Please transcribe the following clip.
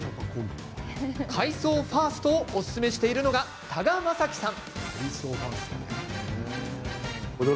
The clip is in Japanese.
海藻ファーストをおすすめしているのが多賀昌樹さん。